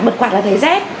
bật quạt là thấy rét